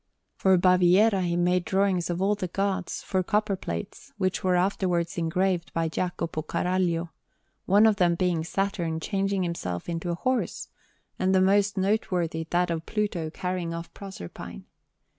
For Baviera he made drawings of all the Gods, for copper plates, which were afterwards engraved by Jacopo Caraglio; one of them being Saturn changing himself into a horse, and the most noteworthy that of Pluto carrying off Proserpine.